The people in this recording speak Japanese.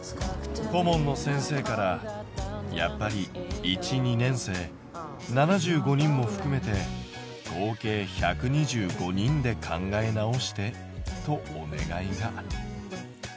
顧問の先生から「やっぱり１２年生７５人もふくめて合計１２５人で考え直して」とお願いが。